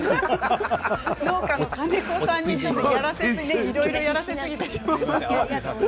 農家の金子さんにいろいろやらせてしまいました。